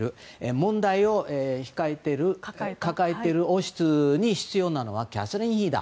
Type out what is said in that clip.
問題を抱えている王室に必要なのはキャサリン妃だ。